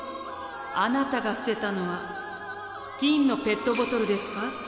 あなたが捨てたのは金のペットボトルですか？